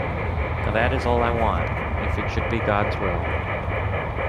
Now that is all I want: if it should be God's will.